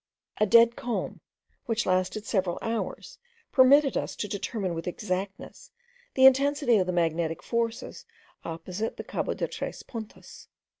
A dead calm, which lasted several hours, permitted us to determine with exactness the intensity of the magnetic forces opposite the Cabo de tres Puntas.